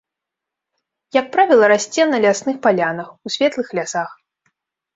Як правіла расце на лясных палянах, у светлых лясах.